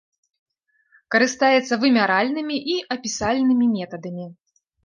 Карыстаецца вымяральнымі і апісальнымі метадамі.